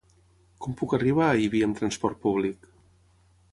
Com puc arribar a Ibi amb transport públic?